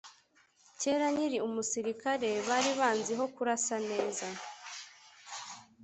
Kera nkiri umusirikare bari banziho kurasa neza